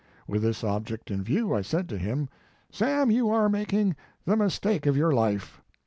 With this object in view I said to him: ( Sam, you are making the mistake of your life.